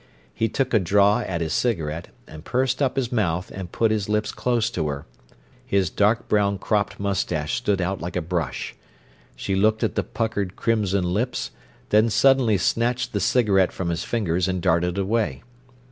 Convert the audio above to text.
He took a draw at his cigarette, and pursed up his mouth, and put his lips close to her. His dark brown cropped moustache stood out like a brush. She looked at the puckered crimson lips, then suddenly snatched the cigarette from his fingers and darted away.